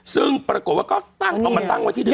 ซึ่งปรากฏว่าก็เอามาตั้งไว้ที่เดิม